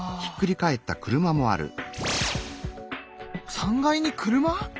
３階に車！？